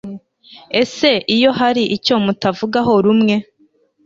Ese iyo hari icyo mutavugaho rumwe